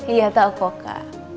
iya tau kok kak